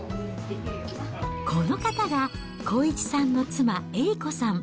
この方が康一さんの妻、えりこさん。